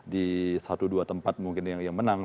di satu dua tempat mungkin yang menang